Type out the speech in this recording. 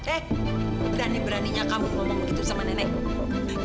eh berani beraninya kamu ngomong begitu sama nenek